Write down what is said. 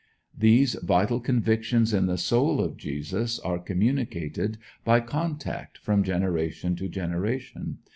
These vital convictions in the soul of Jesus are communicated by contact from generation to generation.